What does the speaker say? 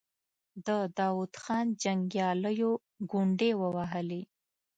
د داود خان جنګياليو ګونډې ووهلې.